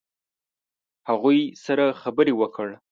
هغوی سره خبرې وکړه.